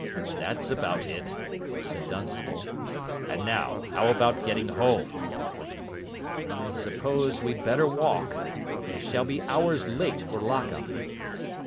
"That's about it," said Dunstable. "And now how about getting home?" "I suppose we'd better walk. We shall be hours late for lock up."